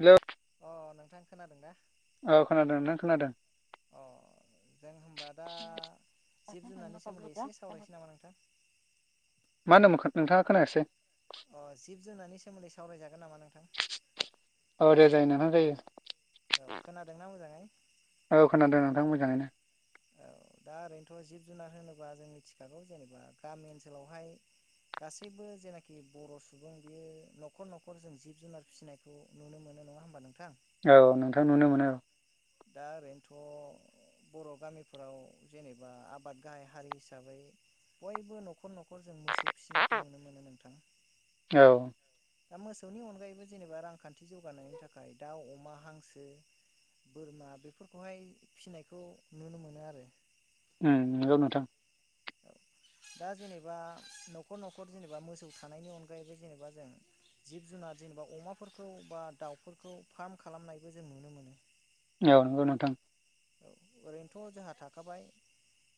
Hello अ नोंथां खोनादों दा? औ खोनादों नोंथां खोनादों? अ जों होनबा दा जिब-जुनारनि सोमोन्दै एसे सावरायनोसै नामा नोंथां? मा होनदोंमोन नोंथाङा खोनायासै। अ जिब-जुनारनि सोमोन्दै सावरायजागोन नामा नोंथां? औ दे जायो नोंथां जायो। औ खोनादोंना मोजाङै? ओं मोजाङैनो। औ दा ओरैनोथ' जिब जुनार होनोबा जों मिथिखागौ जेनेबा गामि ओनसोलावहाय गासैबो जेनाखि बर' सुबुं बियो न'खर न'खर जों जिब जुनार फिसिनायखौ नुनो मो नो नङा होनबा नोंथां। औ नोंथां नुनो मोनो औ। दा ओरैनोथ' बर' गामिफोराव जेनेबा आबाद गाहाय हारि हिसाबै बयबो न'खर न'खर जों मोसौ फिसिनायखौ नुनो मोनो नोंथां। औ दा मोसौनि अनगायैबो जेनेबा रांखान्थि जौगानायनि थाखाय दाउ, अमा, हांसो बोरमा बेफोरखौहाय फिनायखौ नुनो मोनो आरो। उम नंगौ नोंथां। [inaudible] दा जेनेबा न'खर न'खर जेनेबा मोसौ थानायनि अनगायैबो जेनेबा जों जिब जुनार जेनेबा अमाफोरखौ बा दाउफोरखौ फाम खालामनायबो जों नुनो मोनो। औ नंगौ नोंथां। औ ओरैनोथ' जोंहा थाखाबाय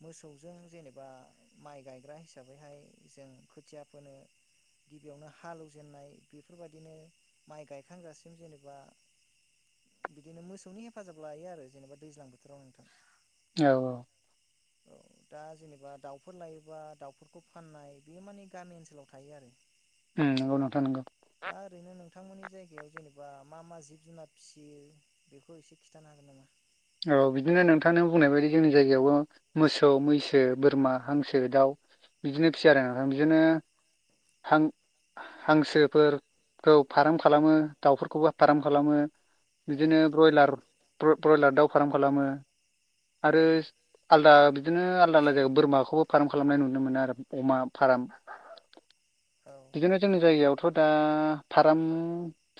मोसौजों जेनेबा माइ गायग्रा हिसाबैहाय जों खोथिया फोनो गिबियावनो हालौजेननाय बेफोरबायदिनो माइ गायखांगासिम जेनेबा बिदिनो मोसौनि हेफाजाब लायो आरो जेनेबा दैज्लां बोथोराव नोंथां। औ औ। औ दा जेनेबा दाउफोर लायोबा दाउफोरखौ फाननाय बेयो मानि गामि ओनसोलाव थायो आरो। उम नंगौ नोंथां नंगौ। थांमोननि जायगायाव जेनेबा मा मा जिब जुनार फिसियो बेखौ एसे खिन्थानो हागोन नामा? औ बिदिनो नोंथां नो बुंनाय बायदि जोंनि जायगायावबो मोसौ, मैसो, बोरमा, हांसो, दाउ बिदिनो फिसियो आरो नां बिदिनो हां हांसोफोरखौ फाराम खालामो दाउफोरखौबो फाराम खालामो। औ बिदिनो ब्रयलार ब्र-ब्रयलार दाउ फाराम खालामो। आरो औ आलदा बिदिनो आलदा आलदा जायो बोरमाखौबो फाराम खालामनाय नुनो मोनो आरो अमा फाराम। औ बिदिनो जोंनि जायगायावथ' दा फाराम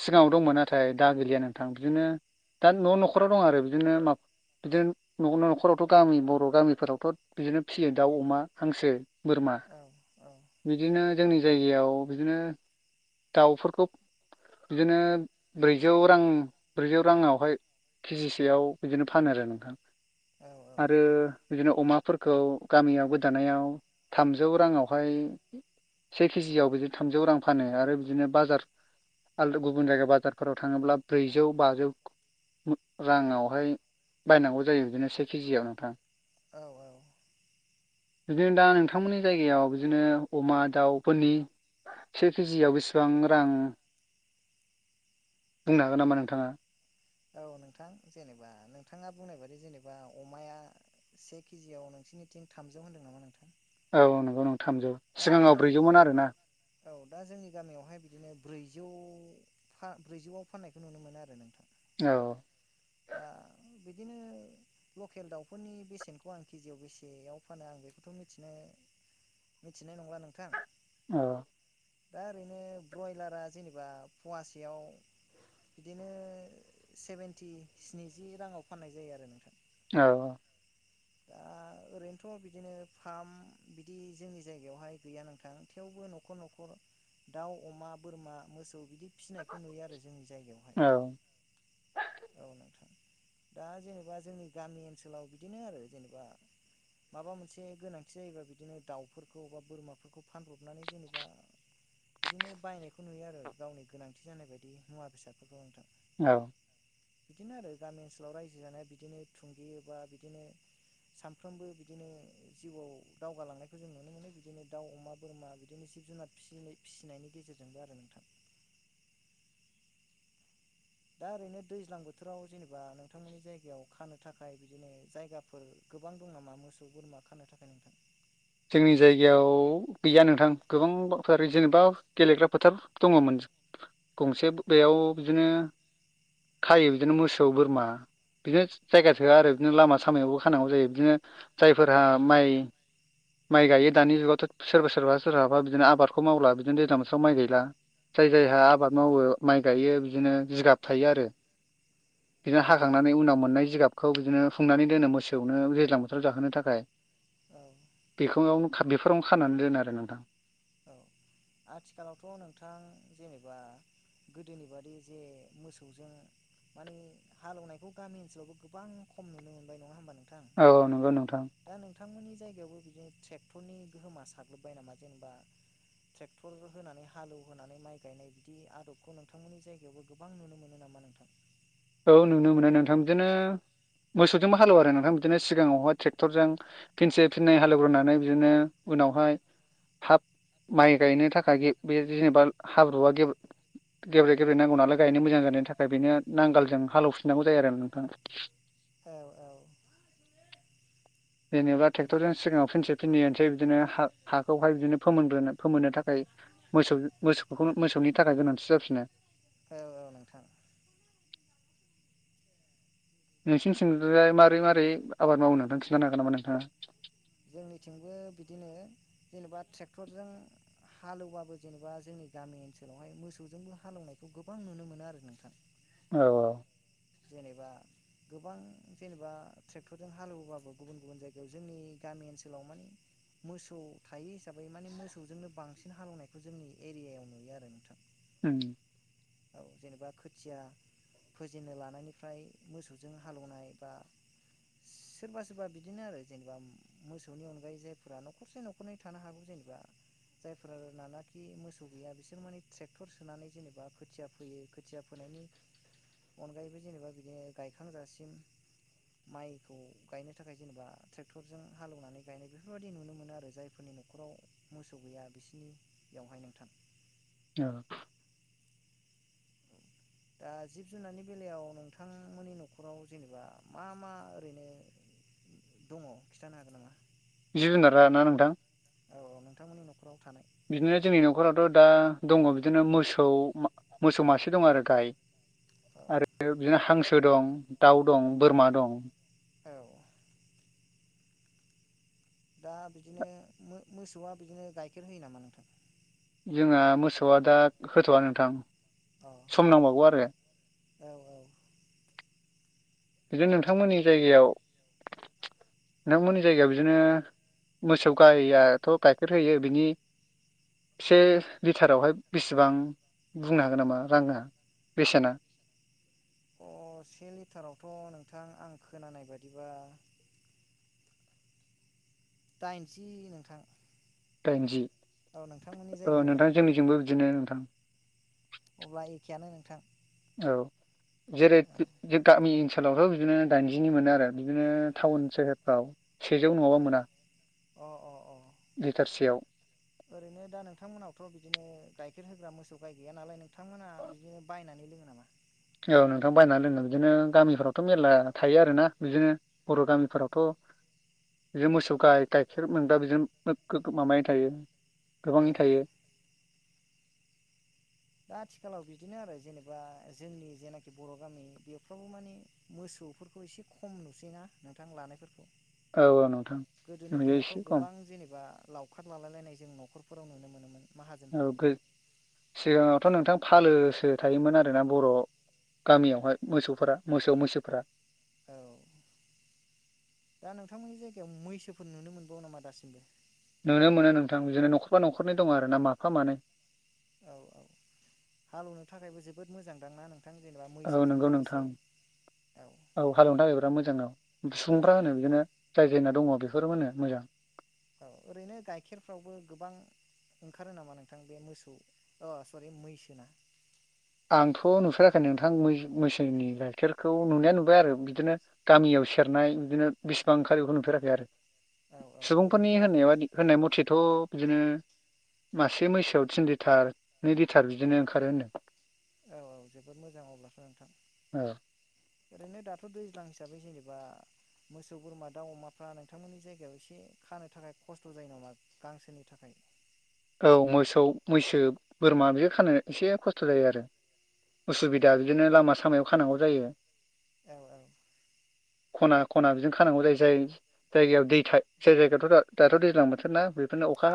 सिगाङाव दंमोन नाथाय दा गैलिया नोंथां बि बिदिनो दा न' न'खराव दं आरो बिदिनो मा बिदिनो न' न'खरावथ' गामि बर' गामिफोरावथ' बिदिनो फियो दाउ, अमा, हांसो बोरमा औ बिदिनो जोंनि जायगायाव बिदिनो दाउफोरखौ बिदिनो ब्रैजौ रां ब्रैजौ राङावहाय केजिसेयाव बिदिनो फानो आरो नोंथां आरो दिनो अमाफोरखौ गामियाव गोदानायाव थामजौ राङावहाय से केजियाव बिदि थामजौ रां फानो आरो बिदिनो बाजार आलदो गुबुन जायगा बाजारफोराव थाङोब्ला ब्रैजौ बाजौ राङावहाय बायनांगौ जायो बिदिनो से केजियाव नोंथां। औ औ। बिदिनो दा नोंथांमोननि जायगायाव बिदिनो अमा दाउफोरनि से केजियाव बेसेबां रां बुंनो हागोन नामा नोंथाङा? औ नोंथां जेनेबा नोंथाङा बुंनाय बादि जेनेबा अमाया से केजियाव नोंसिनिथिं थामजौ होन्दों नामा नोंथां? औ नंगौ नंगौ दा औ दा जोंनि गामियावहाय बिदिनो ब्रै जौ ब्रैजौआव फाननायखौ नुनो मोनो आरो नोंथां औ दा बिदिनो लकेल दाउफोरनि बेसेनखौ आं केजियाव बेसेयाव फानो आं बेखौथ' मिथिनो मिथिनाय नंला नोंथां औ दा ओरैनो ब्रयलारा जेनेबा फवासेयाव बिदिनो सेभेेनटि स्निजि राङाव फाननाय जायो आरो नोंथां औ दा ओरैनोथ' बिदिनो फार्म बिदि जोंनि जायगायावहाय गैया नोंथां थेवबो न'खर न'खर दाउ अमा बोरमा मोसौ बिदि फिसिनायखौ नुयो आरो जोंनि जायगायावहाय औ औ नोंथां दा जेनेबा जोंनि गामि ओनसोलाव बिदिनो आरो जेनेबा माबा मोनसे गोनांथि जायोबा बिदिनो दाउफोरखौ बा बोरमाफोरखौ फानब्रबनानै जेनेबा बिदिनो बायनायखौ नुयो आरो गावनि गोनांथि जानाय बायदि मुवा बेसादफोरखौ नोंथां औ बिदिनो आरो गामि ओनसोलाव रायजो जानाया बिदिनो थुंगियोबा बिदिनो सानफ्रोमबो बिदिनो जिउआव दावगालांनायखौ जों नुनो मोनो बिदिनो दाउ अमा बोरमा बिदिनो जिब जुनार फि -फिसिनायनि गेजेरजोंबो आरो नोंथां दा ओरैनो दैज्लां बोथोराव जेनेबा नोंथांमोननि जायगायाव खानो थाखाय बिदिनो जायगाफोर गोबां दं नामा मोसौ बोरमा खानो थाखाय नोंथां जोंनि जायगायाव गैया नोंथां गोबांथार जेनेबा गेलेग्रा फोथार दङमोन गंसे बेयाव बिदिनो खायो बिदिनो मोसौ बोरमा बिदिनो जायगा थोआ आरो बिदिनो लामा सामायावबो खानांगौ जायो बिदिनो जायफोरहा माइ माइ गायो दानि जुगावथ' सोरबा सोरबा सोरहाबा बिदिनो आबादखौ मावला बिदिनो दैज्लां बोसोराव माइ गायला जाय औ जायहा आबाद मावो माइ गायो बिदिनो जिगाब थायो आरो औ बिदिनो हाखांनानै उनाव मोननाय जिगाबखौ बिदिनो हुंनानै दोनो मोसौनो दैज्लां बोथोराव जाहोनो थाखाय औ [unintelligible] बेफोरावनो खानानै दोनो आरो नोंथां औ आथिखालावथ' नोंथां जेनेबा गोदोनि बादि जे मोसौजों माने हालेवनायखौ गामि ओनसोलावबो गोबां खम नुनो मोनबाय नङा होमबा नों औ नंगौ नोंथां जायगायावबो बिदिनो ट्रेक्टरनि गोहोमा साग्लोबबाय नामा जेनेबा ट्रेक्टर होनानै हालेवहोनानै माइ गायनाय बिदि आदबखौ नोंथांमोननि जायगायावबो गोबां नुनो मोनो नामा नों [inaudible] औ नुनो मोनो नोंथां बिदिनो मोसौजोंबो हालेव आरो नोंथां बिदिनो सिगाङावहाय ट्रेक्टरजों फिनसे फिननै हालौवग्रोनानै बिदिनो उनावहाय थाब माइ गायनो थाखाय बे जेनेबा हाब्रुआ गेब्रु गेब्ले गेब्ले नांगौ नालाय गायनो मोजां जानायनि थाखाय बेनो नांगाल जों हालौफिनांगौ जायो आरो नोंथां औ औ जेनेबा जोबोद ट्रेक्टरजों सिगाङाव फिनसे फिनै होनोसै बिदिनो हा हा खौहाय बिदिनो फोमोनग्रोनो फोमोननो थाखाय मोसौ मोसौ मोसौनि थाखाय गोनांथि जाफिनो। औ औ नोंथां। नोंसिनि थिंनिफ्राय मारोरै मारोरै आबाद मावनो दां खिन्थानो हागोन नामा नोंथाङा? जोंनिथिंबो बिदिनो जेनेबा ट्रेक्टरजों हालोवबाबो जेनेबा जोंनि गामि ओनसोलावहाय मोसौजोंबो हालेवनायखौ गोबां नुनो मोनो आरो नोंथां। औ औ। एबा गोबां जेनेबा ट्रेक्टरजों हालोवबाबो गुबुन गुबुन जायगायाव जोंनि गामि ओनसोलाव माने मोसौ थायो हिसाबै माने मोसौजोंनो बांसिन हालौनायखौ जोंनि एरियायाव नुयो आरो नोंथां। उम औ जेनेबा खोथिया फोजेननो ला नायनिफ्राय मोसौजों हालौवनाय बा सोरबा सोरबा बिदिनो आरो जेनबा मोसौनि अनगायै जायफोरा न'खरसे न'खरनै थानो हागौ जे [unintelligible] जायफोर नानाखि मोसौ गैया बिसोर माने ट्रेक्टर सोनानै जेनेबा खोथिया फोयो खोथिया फोना यनि अनगायैबो जेनेबा बिदिनो गायखांजासिम माइखौ गायनो थाखाय जेनेबा ट्रेक्टरजों हालौनानै गायनाय बेफोरबायाददि नुनो मोनो आरो जायफोरनि न'खराव मोसौ गैया बिसिनियावहाय नोंथां। औ [inaudible] दा जिब जुनारनि बेलायाव नोंथांमोननि न'खराव जेनेबा मा मा ओरैनो दङ खिन्थानो हागोन नामा? जिब जुनारा ना नोंथां। औ औ नोंथांमोननि न'खराव थानाय थ' दा दङ बिदिनो मोसौ मा मोसौ मासे दङ आरो गाय। औ आरो बिदिनो हांसो दं, दाउ दं, बोरमा दं औ दा बिदिनो मो मोसौआ बिदिनो गाइखेर होयो नामा नोंथां? जोंहा मोसौआ दा होथ'वा नोंथां। अ सम नांबावगौ आरो। औ औ बिदिनो नोंथांमोननि जायगायाव नांमोननि जायगायाव बिदिनो मोसौ गायाथ' गाइखेर होयो बिनि से लिटारावहाय बिसेबां बुंनो हागोन नामा राङा? बेसेना? अ से लिटारावथ' नोंथां आं खोनानाय बायदिबा [inaudible] दाइनजि नोंथां। दाइनजि औ नोंथांमोननि औ जायगायावलाय नोंथां जोंनिजोंबो बिदिनो नोंथां। अब्ला एखेयानो नोंथां। औ जेरै गामि ओनसोलावथ' बिदिनो दाइनजिनि मोनो आरो बिदिनो टाउन सोहोरफ्राव सेजौ नङाबा औ मोना। अ अ अ लिटारसेयाव? दा नोंथांमोनावथ' बिदिनो केर होग्रा मोसौ गाय गैया नालाय नोंथांमोना बिदिनो बायनानै लोङो नामा? औ नोंथां बायनानै लोङो बिदिनो गामिफोरावथ' मेरला थायो आरोना बिदिनो बर' गामिफोरावथ' [inaudible] बिदि मोसौ गाय गाइखेर मोनग्रा बिदोनो [unintelligible] मामायै थायो। औ गोबाङै थायो। दा आथिखालाव बिदिनो आरो जेनेबा जोंनि जेनाखि बर' गामि बेफ्रावबो माने मोस सौफोरखौ एसे खम नुसैना नोंथां लानायफोरखौ। औ औ नोंथां गोदोनि नुयो दिनावथ' एसे खम गोबां जेनेबा लावखार लालायलायनाय जों न'खरफोराव नुनो मोनोमोन औ माहाजोनफोरखौ गो सिगाङावथ' नोंथां फालोसो थायोमोन आरोना बर' गामियावहाय मोसौफोरा मोसौ मैसोफोरा औ दा नोंथांमोननि जायगायाव मैसोफोर नुनो मोनबावो नामा दासिमबो नुनो मोनो नोंथां बिदिनो न'खरफा न'खरनै दं आरो ना माफा मानै औ औ हालेवनो थाखायबो जोबोद मोजांदांना नों औ नंगौ मैसोजोंहाय नोंथां एसे औ हालेवनो थाखाय बिराद मोजां औ औ सुबुंफ्रा होनो बिदिनो जाय जोंना दंङो बेफोर मोनो मोजां औ ओरैनो गाइखेरफ्रावबो गोबां ओंखारो नामा नोंथां बे मोसौ अ सरि मैसोना आंथ' नुफेराखै नोंथां मैसोनि गाइखेरखौ नुनाया नुबाय आरो बिदिनो गामियाव सेरनाय बिदिनो बेसिबां ओंखारो बेखौ नुफेराखै आरो औ औ सुबुंफोरनि ओरैनोथ' होननाय बादि होननाय मथेथ' बिदिनो मासे मैसोआव थिन लिटार नै लिटार बिदिनो ओंखारो होनदों। औ औ जोबोद मोजां अब्लाथ' नोंथां औ ओरैनो दाथ' दैज्लां हिसाबै जेनेबा मोसौ बोरमा दाउ अमाफ्रा नोंथांमोननि जायगायाव एसे खानो थाखाय खस्थ' जायो नामा गांसोनि थाखाय [inaudible] औ मोसौ मैसो बोरमा बेखौ खानो एसे खस्थ' जायो आरो उसुबिदा बिदिनो लामा सामायाव खानांगौ जायो। औ औ खना खना बिजों खानांगौ जाय जाय जायगायाव दै जाय जायगायावथ' दाथ' दैज्लां बोथोरना बेफोर अखा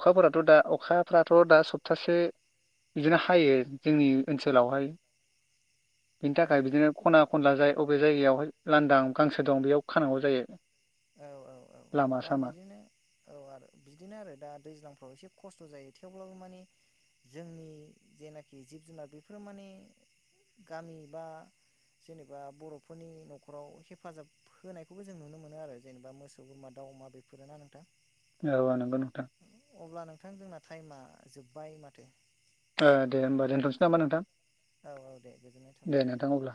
अखाफोराथ' दा अखाफ्राथ' दा सप्तासे बिदिनो हायो जोंनि ओनसोलावहाय [inaudible] बिनि थाखाय बिदिनो खना खनला जाय अबे जायगायावहाय लांदां गांसो दं बेयाव खानांगौ जायो। औ औ औ लामा दा सामा बिदिनो औ आरो बिदिनो आरो दा दैज्लां एसे खस्थ' जायो थेवब्लाबो माने जोंनि जेनाखि जिब जुनार बेफोरो माने गामि बा जेनेबा बर'फोरनि न'खराव हेफाजाब होनायखौबो जों नुनो मोनो आरो जेनेबा मोसौ बोरमा दाउ अमा बेफोर ना नोंथां औ नंगौ नोंथां अब्ला नोंथां जोंना टाइमा जोब्बाय माथो ओ दे होनबा दोनथ'नोसै नामा नोंथां औ औ दे गोजोननाय थाबाय दे नोंथां अब्ला